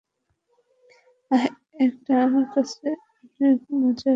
আহ, এটা আমার কাছে অনেক মজার লেগেছে।